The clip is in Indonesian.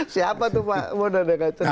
siapa tuh pak bondan yang gak cerdas